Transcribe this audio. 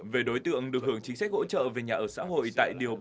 về đối tượng được hướng chính sách hỗ trợ về nhà ở xã hội tại điều bảy mươi ba